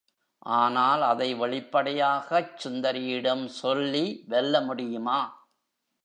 ஆனால் அதை வெளிப்படையாய்ச் சுந்தரியிடம் சொல்லி வெல்ல முடியுமா?